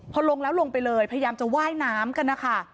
พอลงแล้วลงไปเลยพยายามจะว่ายน้ำกันนะคะ